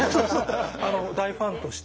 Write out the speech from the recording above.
あの大ファンとして。